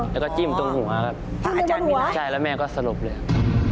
แล้วก็จิ้มตรงหัวกันใช่แล้วแม่ก็สลบเลยครับผ่าจันทร์ดีนะ